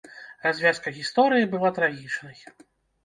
Развязка гісторыі была трагічнай.